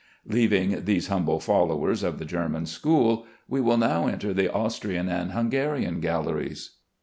Leaving these humble followers of the German school, we will now enter the Austrian and Hungarian galleries.